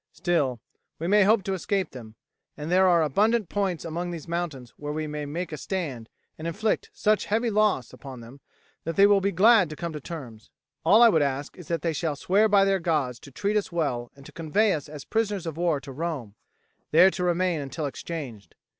Still, we may hope to escape them, and there are abundant points among these mountains where we may make a stand and inflict such heavy loss upon them that they will be glad to come to terms. All I would ask is that they shall swear by their gods to treat us well and to convey us as prisoners of war to Rome, there to remain until exchanged.